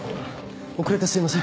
遅れてすいません。